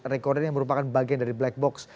recorder yang merupakan bagian dari black box